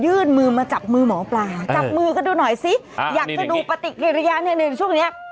มือมาจับมือหมอปลาจับมือกันดูหน่อยซิอยากจะดูปฏิกิริยาเนี่ยในช่วงเนี้ย